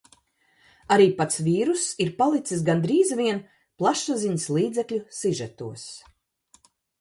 Arī pats vīruss ir palicis gandrīz vien plašsaziņas līdzekļu sižetos.